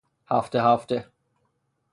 هفته هفته